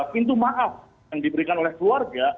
pintu maaf yang diberikan oleh keluarga